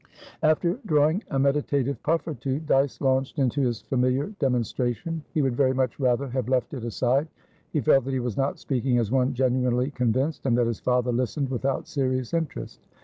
After drawing a meditative puff or two, Dyce launched into his familiar demonstration. He would very much rather have left it aside; he felt that he was not speaking as one genuinely convinced, and that his father listened without serious interest.